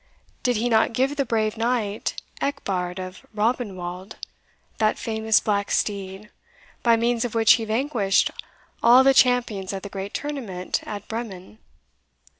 Did he not give the brave knight, Ecbert of Rabenwald, that famous black steed, by means of which he vanquished all the champions at the great tournament at Bremen?